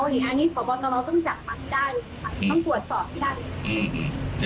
อันนี้ขอบอบต่อเราต้องจับมาได้